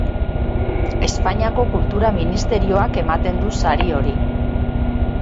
Espainiako Kultura Ministerioak ematen du sari hori.